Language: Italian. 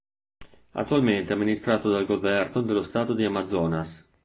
Attualmente è amministrato dal governo dello Stato di Amazonas.